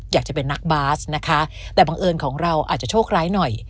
อยากจะเป็นนักบาสนะคะแต่บังเอิญของเราอาจจะโชคร้ายหน่อย